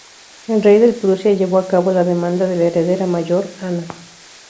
El rey del Prusia llevó a cabo la demanda de la heredera mayor, Ana.